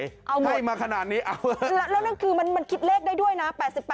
แล้วนั่นคือมันคิดเลขได้ด้วยนะ๘๘๖๕